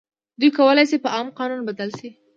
دوی کولای شي په عام قانون بدل شي.